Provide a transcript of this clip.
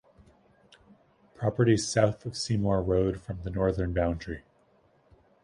Properties south of Seymour Road form the northern boundary.